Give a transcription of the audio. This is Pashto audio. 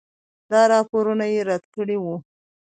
دا راپورونه یې رد کړي وو.